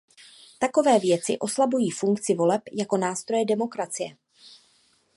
Takové věci oslabují funkci voleb jako nástroje demokracie.